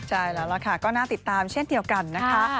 ใช่แล้วล่ะค่ะก็น่าติดตามเช่นเดียวกันนะคะ